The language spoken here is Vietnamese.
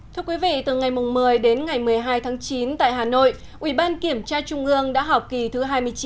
thưa quý vị từ ngày một mươi đến ngày một mươi hai tháng chín tại hà nội ubkc đã họp kỳ thứ hai mươi chín